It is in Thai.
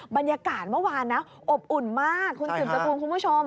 บรรยากาศเมื่อวานนะอบอุ่นมากคุณสืบสกุลคุณผู้ชม